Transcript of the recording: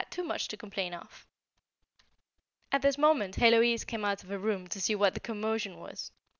[Sidenote: "Not Much to Complain of"] At this moment Héloise came out of her room to see what the commotion was.